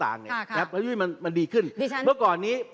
มากกว่าในอดีตมากนัก